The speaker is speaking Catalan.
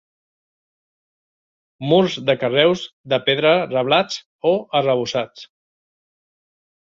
Murs de carreus de pedra reblats o arrebossats.